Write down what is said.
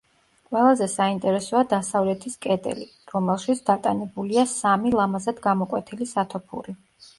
ყველაზე საინტერესოა დასავლეთის კედელი, რომელშიც დატანებულია სამი ლამაზად გამოკვეთილი სათოფური.